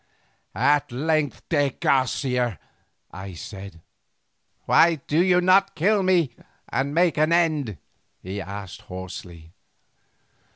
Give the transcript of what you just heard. "At length, de Garcia!" I said. "Why do you not kill me and make an end?" he asked hoarsely.